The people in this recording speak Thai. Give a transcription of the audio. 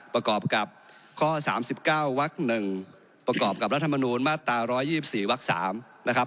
ประกอบกับข้อ๓๙วัก๑ประกอบกับรัฐมนูลมาตรา๑๒๔วัก๓นะครับ